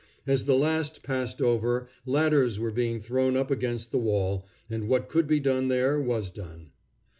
As the last passed over, ladders were being thrown up against the wall, and what could be done there was done.